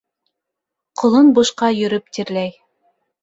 Ҡолон бушҡа йөрөп тирләй.